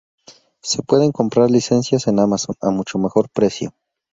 Se pueden comprar licencias en amazon a un mucho mejor precio